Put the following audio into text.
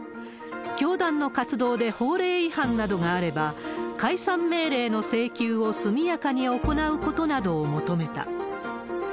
教団の活動で法令違反などがあれば、解散命令の請求を速やかに行うことなどを求めた。